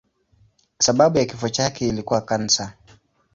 Sababu ya kifo chake ilikuwa kansa.